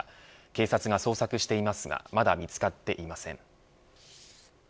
警察が捜索していますがまだ見つかっていません。